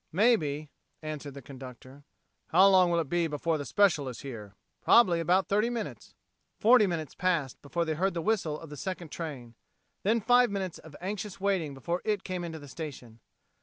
"Maybe," answered the conductor. "How long will it be before the special is here?" "Probably about thirty minutes." Forty minutes passed before they heard the whistle of the second train; then five minutes of anxious waiting before it came into the station.